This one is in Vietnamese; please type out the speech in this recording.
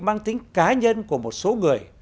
mang tính cá nhân của một số người